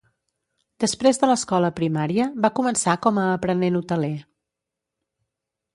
Després de l'escola primària va començar com a aprenent hoteler.